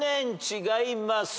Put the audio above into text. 違います。